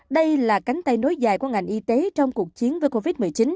đây là cánh tay nối dài của ngành y tế trong cuộc chiến với covid một mươi chín